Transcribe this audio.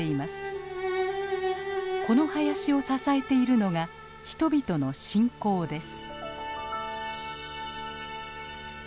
この林を支えているのが人々の信仰です。